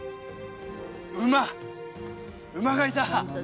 馬馬がいた！